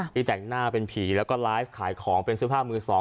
แต่งหน้าเป็นผีแล้วก็ไลฟ์ขายของเป็นเสื้อผ้ามือสอง